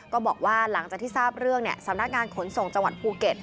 ก็บอกว่าหลังจากที่ทราบเรื่องสำนักงานขนส่งจังหวัดภูเก็ต